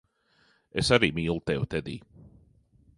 Es arī mīlu tevi, Tedij.